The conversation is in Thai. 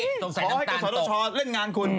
นี่สงสัยน้ำตาลตกขอให้กับสวรรษชอตเรื่องงานคุณ